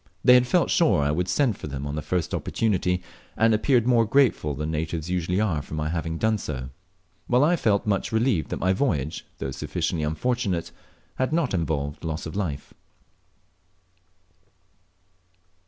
They had felt sure I would send for them on the first opportunity, and appeared more grateful than natives usually are for my having done so; while I felt much relieved that my voyage, though sufficiently unfortunate, had not involved loss of life.